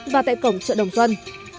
và tại cổng chợ đồng dân